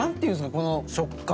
この食感。